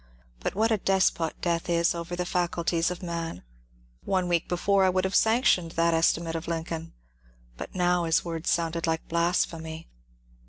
But what a despot is Death over the faculties of man I One week before I would have sanctioned that estimate of Lincoln ; but the words now sounded like blasphemy.